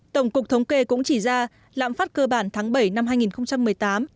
tổng cục thống kê cũng chỉ ra lãm phát cơ bản tháng bảy năm hai nghìn một mươi tám